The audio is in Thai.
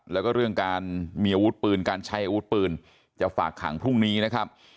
แล้วก็เรื่องการมีอาวุธปืนการใช้อาวุธปืนจะฝากขังพรุ่งนี้นะครับ